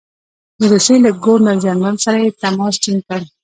د روسیې له ګورنر جنرال سره یې تماس ټینګ کړ.